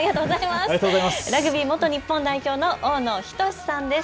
ラグビー元日本代表の大野均さんです。